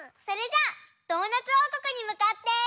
それじゃあドーナツおうこくにむかって。